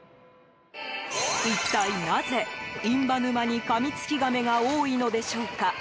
一体なぜ、印旛沼にカミツキガメが多いのでしょうか。